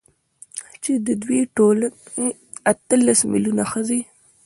چـې د دې ټـولـنې اتـلس مـيلـيونـه ښـځـې .